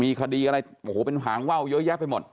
มีคดีอะไรโอ้โหเป็นหางว่าวเยอะแยะไปหมด